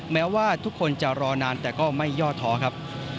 แม้ว่าทุกคนจะรอนานแต่ก็ไม่ย่อท้อครับ